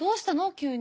急に。